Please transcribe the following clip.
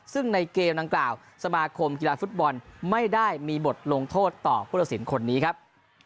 ซึ่งในเกมดังกล่าวสมาคมกีฬาฟุตบอลไม่ได้มีบทลงโทษต่อผู้ตัดสินคนนี้ครับ